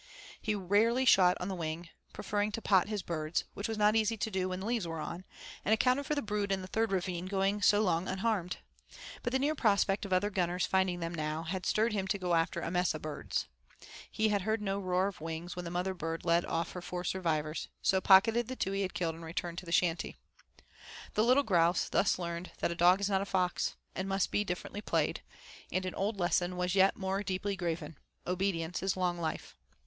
He rarely shot on the wing, preferring to pot his birds, which was not easy to do when the leaves were on, and accounted for the brood in the third ravine going so long unharmed; but the near prospect of other gunners finding them now, had stirred him to go after 'a mess o' birds.' He had heard no roar of wings when the mother bird led off her four survivors, so pocketed the two he had killed and returned to the shanty. The little grouse thus learned that a dog is not a fox, and must be differently played; and an old lesson was yet more deeply graven 'Obedience is long life.'